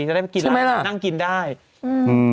จะได้มากินล่ะนั่งกินได้อืมใช่ไหมล่ะ